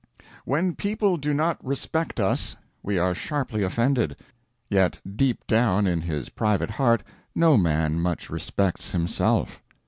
When people do not respect us we are sharply offended; yet deep down in his private heart no man much respects himself.